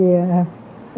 cảm ơn đoàn thanh niên